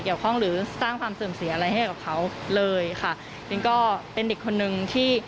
เกี่ยวข้องหรือสร้างความเสื่อมเสียอะไรให้กับเขาเลยค่ะนิ้งก็เป็นเด็กคนนึงที่